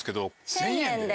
１０００円で。